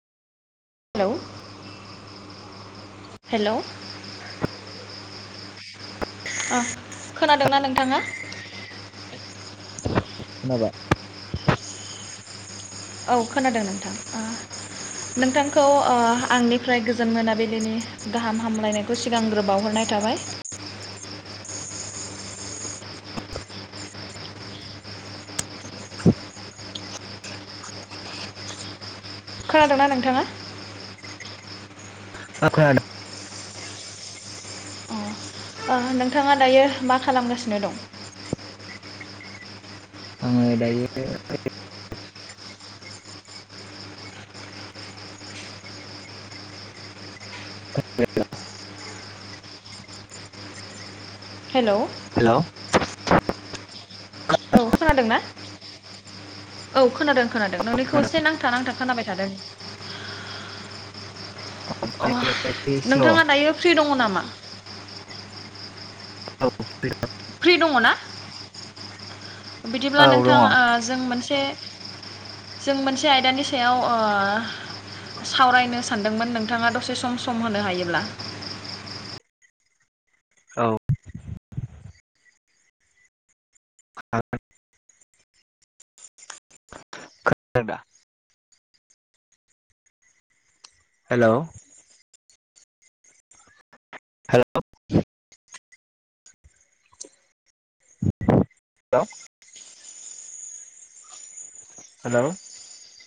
Hello hello अ खोनादोंना नोंथाङा खोनाबाय औ खोनादों नोंथां ओ नोंथांखौ ओ आंनिफ्राय गोजोन मोनाबिलिनि गाहाम हामलायनायखौ सिगांग्रो बावहरनाय थाबाय खोनादोंना नोंथाङा [inaudible] अ ओ नोंथाङा दायो मा खालामगासिनो दं आङो दायो हेलौ हेलौ औ खोनादोंना औ खोनादों खोनादों नोंनिखौ एसे नांथा नांथा खोनाबाय थादों अ हेल' एसे स्ल' औ नोंथाङा दायो फ्रि दङ नामा? औ [unintelligible] फ्रि दङ ना? बिदिब्ला औ नोंथां दङ ओ जों मोनसे जों मोनसे आयदानि सायाव ओ सावरायनो सानदोंमोन नोंथाङा दसे सम सम होनो हायोब्ला औ [unintelligible] [unintelligible] हेलौ हेलौ [unintelligible] [unintelligible] हेलौ